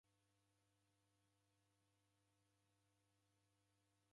Cho law'uke kunikua